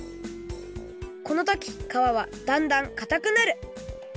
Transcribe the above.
このときかわはだんだんかたくなる。